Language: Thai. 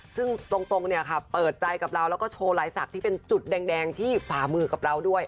ซึ่งตรงเนี่ยค่ะเปิดใจกับเราแล้วก็โชว์หลายศักดิ์ที่เป็นจุดแดงที่ฝ่ามือกับเราด้วย